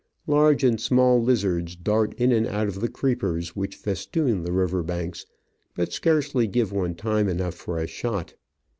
Large and small lizards dart in and out of the creepers which festoon the river banks, but scarcely give one time enough for a shot.